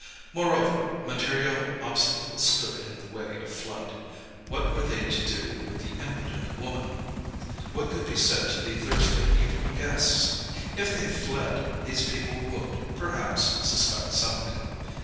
Moreover, material obstacles stood in the way of flight. What were they to do with the impotent woman? What could be said to the Thursday evening guests? If they fled, these people would, perhaps, suspect something.